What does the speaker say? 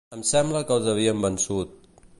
Em sembla que els havíem vençut...